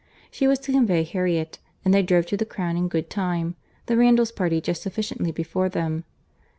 She was to convey Harriet, and they drove to the Crown in good time, the Randalls party just sufficiently before them.